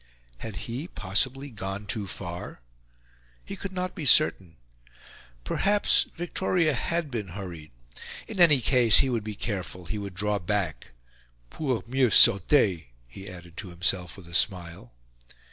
Had he, possibly, gone too far? He could not be certain; perhaps Victoria HAD been hurried. In any case, he would be careful; he would draw back "pour mieux sauter" he added to himself with a smile.